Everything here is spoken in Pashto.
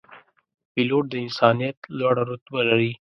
پیلوټ د انسانیت لوړه رتبه لري.